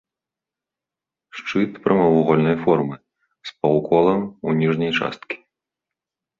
Шчыт прамавугольнай формы, з паўколам у ніжняй часткі.